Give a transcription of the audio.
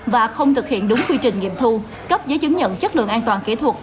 và không thực hiện đúng quy trình nghiệm thu cấp giấy chứng nhận chất lượng an toàn kỹ thuật